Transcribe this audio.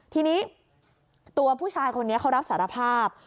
ทีนี้ตัวผู้ชายคนนี้เขารับสารภาพ